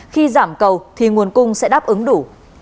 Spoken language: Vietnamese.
khi giảm cầu thì nguồn cung sẽ đáp ứng đủ